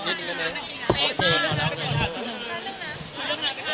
โอเคนั่งหนักหน่อย